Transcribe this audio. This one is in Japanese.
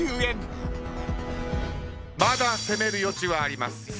まだ攻める余地はあります。